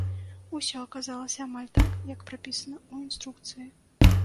Усё аказалася амаль так, як прапісана ў інструкцыі.